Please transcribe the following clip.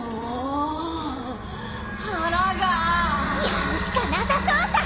やるしかなさそうさ！